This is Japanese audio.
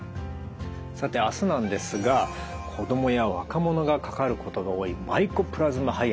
さて明日なんですが子どもや若者がかかることが多いマイコプラズマ肺炎